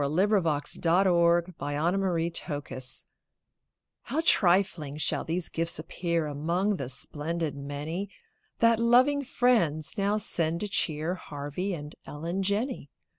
WITH TWO SPOONS FOR TWO SPOONS How trifling shall these gifts appear Among the splendid many That loving friends now send to cheer Harvey and Ellen Jenney.